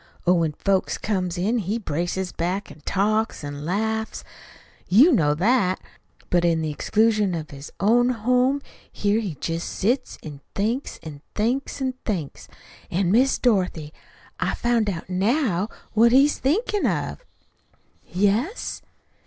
Oh, when folks comes in he braces back an' talks an' laughs. YOU know that. But in the exclusion of his own home here he jest sits an' thinks an' thinks an' thinks. An', Miss Dorothy, I've found out now what he's thinkin' of." "Yes?"